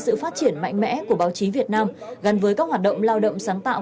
sự phát triển mạnh mẽ của báo chí việt nam gắn với các hoạt động lao động sáng tạo